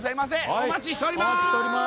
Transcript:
お待ちしております